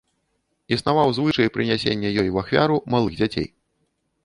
Існаваў звычай прынясення ёй у ахвяру малых дзяцей.